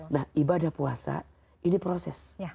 nah ibadah puasa ini proses